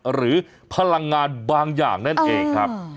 หรือพลังงานบางอย่างนั่นเองครับ